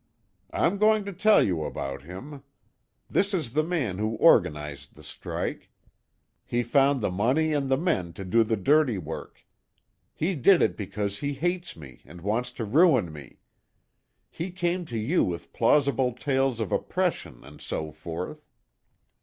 "I'm going to tell you about him. This is the man who organized the strike. He found the money and the men to do the dirty work. He did it because he hates me and wants to ruin me. He came to you with plausible tales of oppression and so forth.